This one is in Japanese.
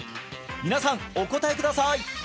皆さんお答えください！